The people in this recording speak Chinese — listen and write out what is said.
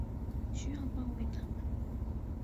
需要包围他们